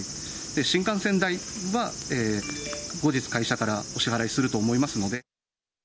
で、新幹線代は後日、会社からお支払いすると思いますのでと。